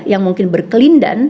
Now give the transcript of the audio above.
yang mungkin berkelindan